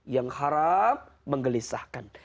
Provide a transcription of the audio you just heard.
yang haram menggelisahkan